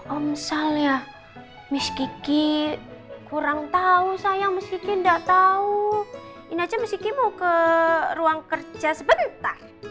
om sal ya miss kiki kurang tahu sayang miss kiki nggak tahu ini aja miss kiki mau ke ruang kerja sebentar